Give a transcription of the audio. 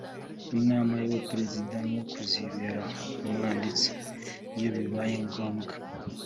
inama y’abaperezida no kuzibera umwanditsi iyo bibaye ngombwa